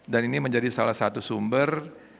dan ini menjadi salah satu sumber